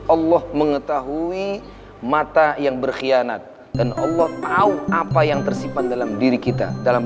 allah mengetahui mata yang berkhianat dan allah tahu apa yang tersimpan dalam diri kita dalam